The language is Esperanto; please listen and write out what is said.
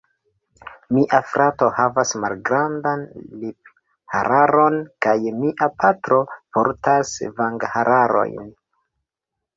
Mia frato havas malgrandan liphararon kaj mia patro portas vangharojn.